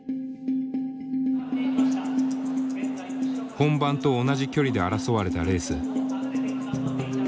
本番と同じ距離で争われたレース。